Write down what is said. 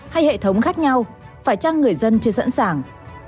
hay hệ thống khác nhau phải chăng người dân chưa sẵn sàng